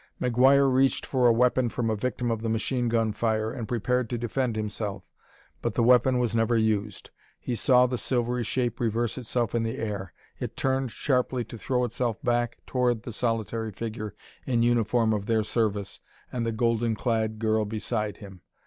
McGuire reached for a weapon from a victim of the machine gun fire and prepared to defend himself, but the weapon was never used. He saw the silvery shape reverse itself in the air; it turned sharply to throw itself back toward the solitary figure in uniform of their service and the golden clad girl beside him.